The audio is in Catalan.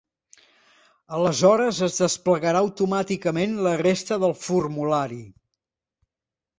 Aleshores es desplegarà automàticament la resta del formulari.